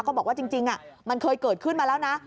บอกว่าจริงมันเคยเกิดขึ้นมาแล้วนะ